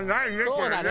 これね。